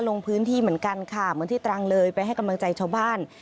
ลงพื้นที่เหมือนกันค่ะเหมือนที่ตรังเลยไปให้กำลังใจชาวบ้าน